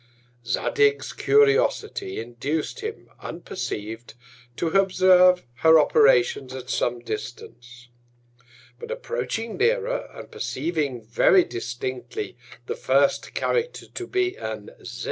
Zadig's Curiosity induc'd him, unperceiv'd, to observe her Operations at some Distance. But approaching nearer, and perceiving very distinctly the first Character to be an Z.